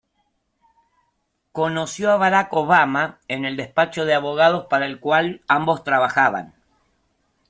Conoció a Barack Obama en el despacho de abogados para el cual ambos trabajaban.